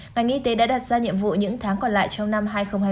ngành y tế đã đặt ra nhiệm vụ những tháng còn lại trong năm hai nghìn hai mươi